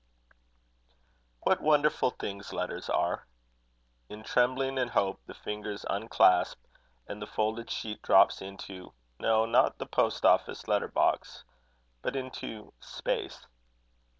What wonderful things letters are! In trembling and hope the fingers unclasp, and the folded sheet drops into no, not the post office letter box but into space.